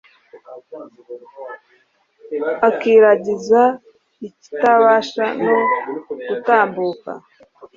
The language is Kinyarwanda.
akiragiza ikitabasha no gutambuka